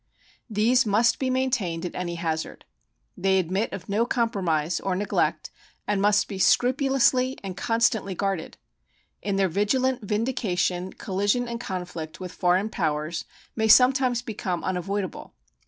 These must be maintained at any hazard. They admit of no compromise or neglect, and must be scrupulously and constantly guarded. In their vigilant vindication collision and conflict with foreign powers may sometimes become unavoidable.